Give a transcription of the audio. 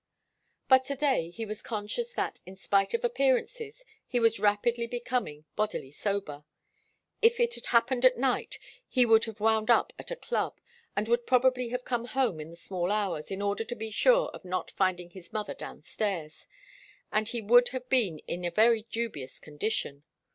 But to day he was conscious that, in spite of appearances, he was rapidly becoming bodily sober. If it had all happened at night, he would have wound up at a club, and would probably have come home in the small hours, in order to be sure of not finding his mother downstairs, and he would have been in a very dubious condition.